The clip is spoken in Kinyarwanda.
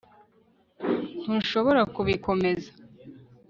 Ntushobora kubikomeza